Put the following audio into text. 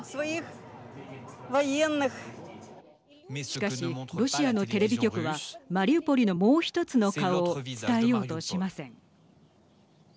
しかし、ロシアのテレビ局はマリウポリのもう一つの顔を伝えようとしません。